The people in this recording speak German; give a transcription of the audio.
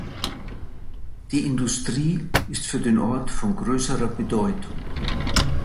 Die Industrie ist für den Ort von größerer Bedeutung.